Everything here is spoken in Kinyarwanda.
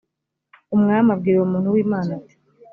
umwami abwira uwo muntu w’imana ati